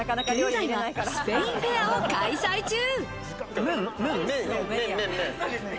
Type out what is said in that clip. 現在はスペインフェアを開催中。